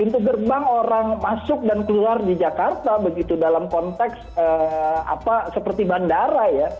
pintu gerbang orang masuk dan keluar di jakarta begitu dalam konteks seperti bandara ya